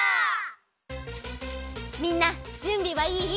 みんなじゅんびはいい？